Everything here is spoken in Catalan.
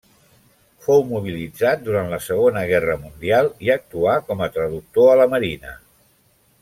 Fou mobilitzat durant la Segona Guerra mundial i actuà com a traductor a la marina.